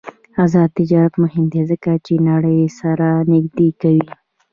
آزاد تجارت مهم دی ځکه چې نړۍ سره نږدې کوي.